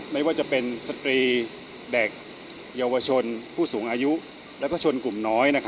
ไม่ว่าจะเป็นสตรีเด็กเยาวชนผู้สูงอายุและชนกลุ่มน้อย